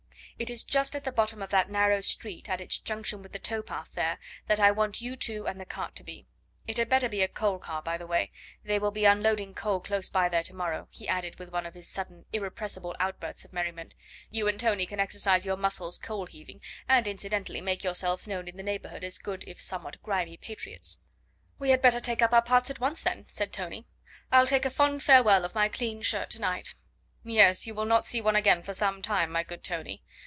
It is just at the bottom of that narrow street at its junction with the tow path there that I want you two and the cart to be. It had better be a coal car by the way; they will be unloading coal close by there to morrow," he added with one of his sudden irrepressible outbursts of merriment. "You and Tony can exercise your muscles coal heaving, and incidentally make yourselves known in the neighbourhood as good if somewhat grimy patriots." "We had better take up our parts at once then," said Tony. "I'll take a fond farewell of my clean shirt to night." "Yes, you will not see one again for some time, my good Tony.